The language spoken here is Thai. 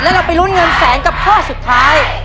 แล้วเราไปลุ้นเงินแสนกับข้อสุดท้าย